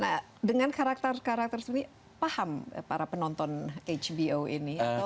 nah dengan karakter karakter sendiri paham para penonton hbo ini